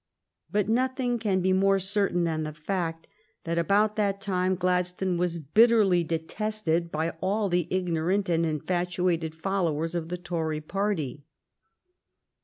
But nothing can be more certain than the fact that about that time Gladstone was bitterly de tested by all the ignorant and infatuated followers of the Tory party.